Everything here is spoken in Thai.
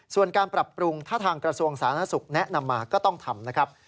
ส่วนการปรับปรุงถ้าทางกระทรวงสาธารณสุขแนะนำมาก็ต้องทำนะครับ